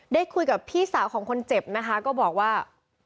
ได้คุยกับพี่สาวของคนเจ็บนะคะก็บอกว่า